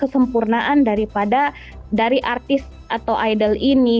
kesempurnaan daripada dari artis atau idol ini